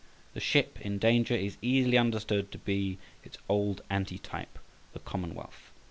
The Ship in danger is easily understood to be its old antitype the commonwealth.